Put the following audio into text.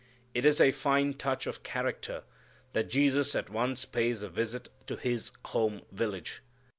It is a fine touch of character that Jesus at once pays a visit to His home village.